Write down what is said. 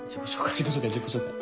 自己紹介自己紹介。